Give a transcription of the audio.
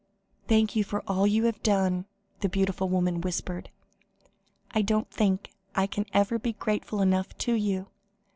"Thank you for all you have done," the beautiful woman whispered. "I don't think I can ever be grateful enough to you.